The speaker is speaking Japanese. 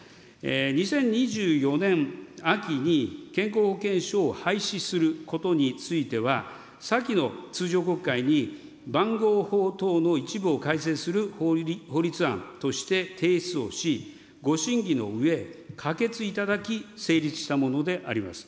２０２４年秋に健康保険証を廃止することについては、先の通常国会に、番号法等の一部を改正する法律案として提出をし、ご審議のうえ、可決いただき、成立したものであります。